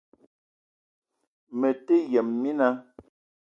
Mete yëm mina